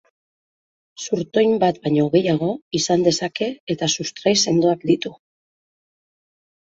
Zurtoin bat baino gehiago izan dezake eta sustrai sendoak ditu.